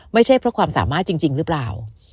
ไม่ใช่เพราะความสามารถจริงหรือเปล่า